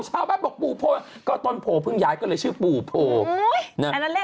ชาวบ้านบอกปู่โพก็ต้นโพเพิ่งย้ายก็เลยชื่อปู่โพ